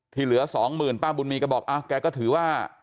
ที่เหลือ๒๐๐๐๐บาทป้าบุญมีร์ก็บอกอ้าวแกก็ถือว่า